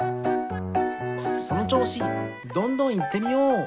そのちょうしどんどんいってみよう！